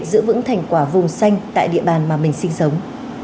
giữ vững thành quả vùng xanh tại địa bàn mà mình sinh sống